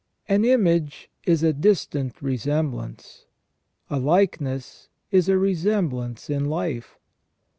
An image is a distant resemblance ; a likeness is a resemblance in life.